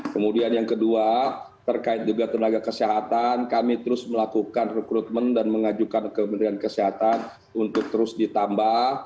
kemudian yang kedua terkait juga tenaga kesehatan kami terus melakukan rekrutmen dan mengajukan kementerian kesehatan untuk terus ditambah